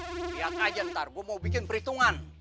lihat aja ntar gue mau bikin perhitungan